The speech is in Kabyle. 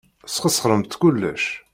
Tesxeṣremt kullec.